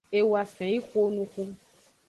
E woafen yi xonuxu.